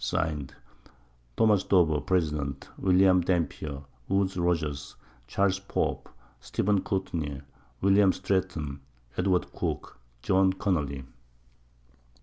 _ Signed, Tho. Dover, Pres. William Dampier, Woodes Rogers, Cha. Pope, Steph. Courtney, William Stretton, Edw. Cooke, John Connely.